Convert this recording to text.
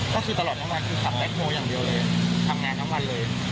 ก็คือตลอดทั้งวันคือขับแบ็คโฮอย่างเดียวเลยทำงานทั้งวันเลย